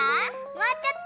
もうちょっと。